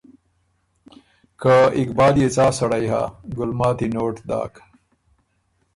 که اقبال يې څا سړئ هۀ۔ ګلماتی نوټ داک